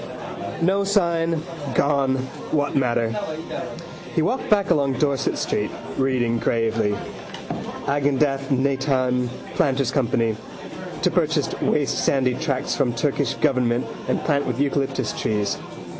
No sign. Gone. What matter? He walked back along Dorset street, reading gravely. Agendath Netaim: planters' company. To purchase waste sandy tracts from Turkish government and plant with eucalyptus trees.